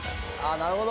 なるほど。